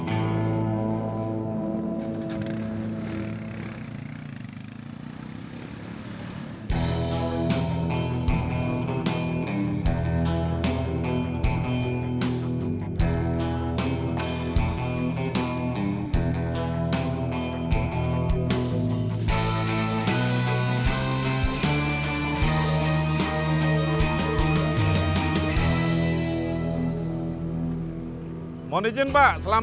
kamu kecilnya nampak kuras